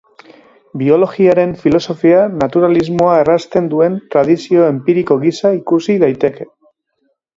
Biologiaren filosofia naturalismoa errazten duen tradizio enpiriko gisa ikusi daiteke.